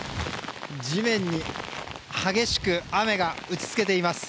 地面に激しく雨が打ち付けています。